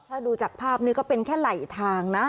ถ้าดูจากภาพนี้ก็เป็นแค่ไหลทางนะ